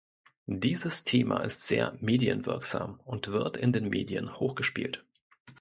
Dieses Thema ist sehr medienwirksam und wird in den Medien hochgespielt.